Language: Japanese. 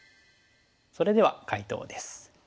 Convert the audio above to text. それでは解答です。